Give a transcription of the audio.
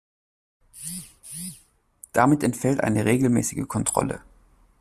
Damit entfällt eine regelmäßige Kontrolle.